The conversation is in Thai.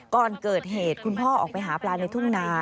ก่อนเกิดเหตุคุณพ่อออกไปหาปลาในทุ่งนา